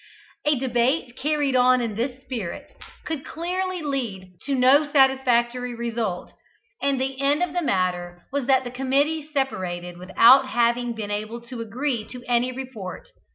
A debate carried on in this spirit could clearly lead to no satisfactory result, and the end of the matter was that the committee separated without having been able to agree to any report.